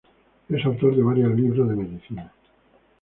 Es autor de varios libros de medicina.